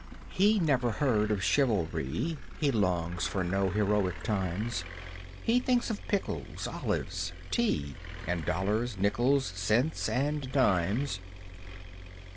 He never heard of chivalry, He longs for no heroic times; He thinks of pickles, olives, tea, And dollars, nickles, cents and dimes.